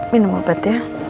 minum obat ya